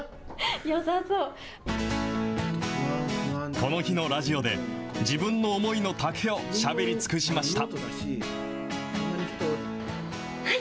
この日のラジオで、自分の思いのたけをしゃべり尽くしました。